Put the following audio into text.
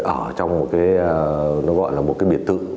ở trong một cái nó gọi là một cái biệt thự